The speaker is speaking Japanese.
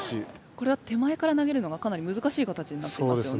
これは手前から投げるのがかなりむずかしい形になっていますよね。